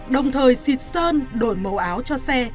đồng thời xịt sơn đổi màu áo cho xe